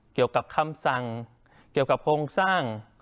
เกี่ยวกับคำสั่งเกี่ยวกับโครงสร้าง